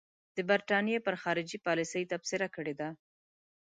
د برټانیې پر خارجي پالیسۍ تبصره کړې ده.